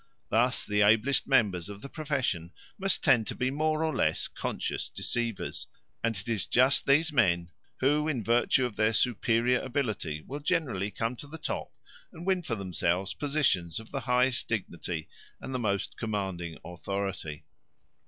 Thus the ablest members of the profession must tend to be more or less conscious deceivers; and it is just these men who in virtue of their superior ability will generally come to the top and win for themselves positions of the highest dignity and the most commanding authority.